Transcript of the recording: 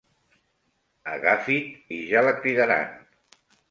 Agafi't i ja la cridaran.